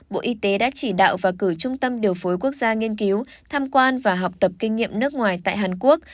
bộ y tế đã chỉ đạo và cử trung tâm điều phối quốc gia nghiên cứu tham quan và học tập kinh nghiệm nước ngoài tại hàn quốc